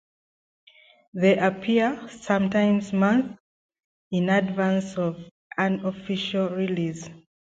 They appear sometimes months in advance of an official release.